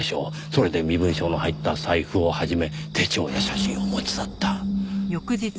それで身分証の入った財布を始め手帳や写真を持ち去った。